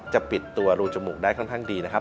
จะปิดตัวรูจมูกได้ค่อนข้างดีนะครับ